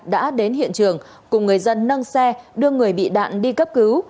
đã đến hiện trường cùng người dân nâng xe đưa người bị nạn đi cấp cứu